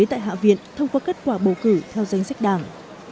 tại hạ viện thông qua kết quả bầu cử theo danh sách đảng